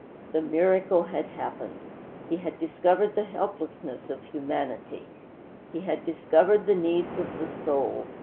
The miracle had happened. He had discovered the helplessness of humanity. He had discovered the need of the soul.